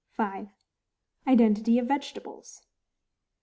5. Identity of Vegetables.